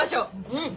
うん。